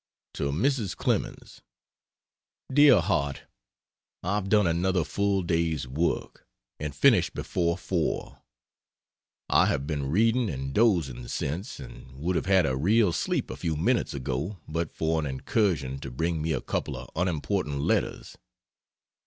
To Mrs. Clemens: DEAR HEART, I've done another full day's work, and finished before 4. I have been reading and dozing since and would have had a real sleep a few minutes ago but for an incursion to bring me a couple of unimportant letters.